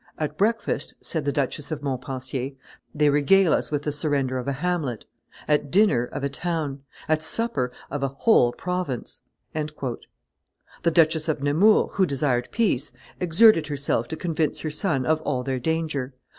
"At breakfast," said the Duchess of Montpensier, "they regale us with the surrender of a hamlet, at dinner of a town, at supper of a whole province." The Duchess of Nemours, who desired peace, exerted herself to convince her son of all their danger.